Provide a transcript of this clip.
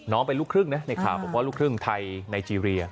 เป็นลูกครึ่งนะในข่าวบอกว่าลูกครึ่งไทยไนเจรีย